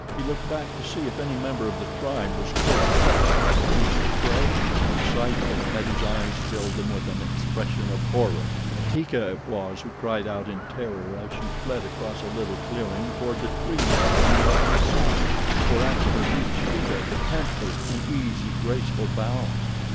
He looked back to see if any member of the tribe was close pressed by the beast of prey, and the sight that met his eyes filled them with an expression of horror. Teeka it was who cried out in terror as she fled across a little clearing toward the trees upon the opposite side, for after her leaped Sheeta, the panther, in easy, graceful bounds.